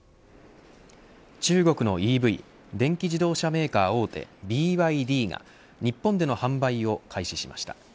中国のＥＶ電気自動車メーカー大手ＢＹＤが日本での販売を開始しました。